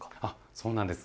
そうなんです。